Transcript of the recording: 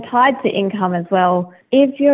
dan terkait dengan keuntungan juga